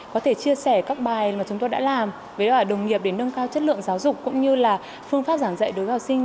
có thể chia sẻ các bài mà chúng tôi đã làm với đồng nghiệp để nâng cao chất lượng giáo dục cũng như là phương pháp giảng dạy đối với học sinh